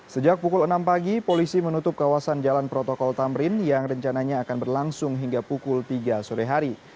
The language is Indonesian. sejak pukul enam pagi polisi menutup kawasan jalan protokol tamrin yang rencananya akan berlangsung hingga pukul tiga sore hari